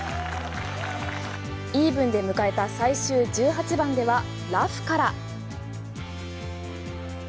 イーブンで迎えた最終１８番ではラフから。